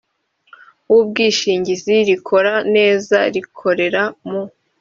w ubwishingizi rikora neza rikorera mu